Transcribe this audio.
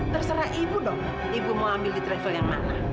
terserah ibu dong ibu mau ambil di travel yang mana